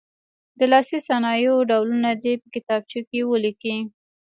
د لاسي صنایعو ډولونه دې په کتابچو کې ولیکي.